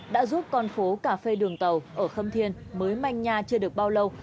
đã giúp con phố cà phê đường tàu ở khâm thiên mới manh nha chưa được bao lâu